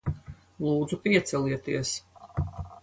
Lūdzu, piecelieties.